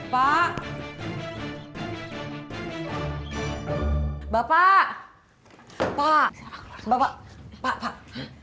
bapak bapak bapak bapak bapak